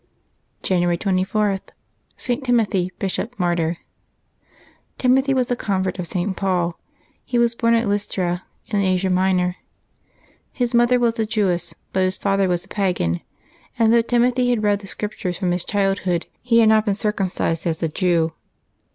January 24.— ST. TIMOTHY, Bishop, Martyr. ^^IMOTHY was a convert of St. Paul. He was born at \mJ Lystra in Asia Minor. His mother was a Jewess, but his father was a pagan; and though Timothy had read the Scriptures from his childhood, he had not been circumcised as a Jew.